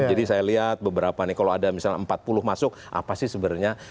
jadi saya lihat beberapa nih kalau ada misalnya empat puluh masuk apa sih sebenarnya